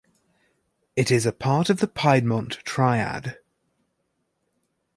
It is a part of the Piedmont Triad.